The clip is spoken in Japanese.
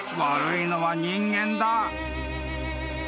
［悪いのは人間だ］